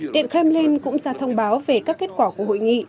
điện kremlin cũng ra thông báo về các kết quả của hội nghị